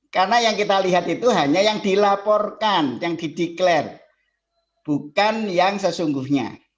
karena yang kita lihat itu hanya yang dilaporkan yang dideklarasi bukan yang sesungguhnya